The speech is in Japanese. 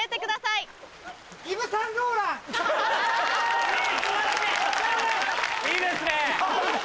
いいですね。